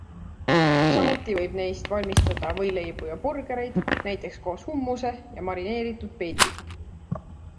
Samuti võib neist valmistada võileibu ja burgereid, näiteks koos hummuse ja marineeritud peediga.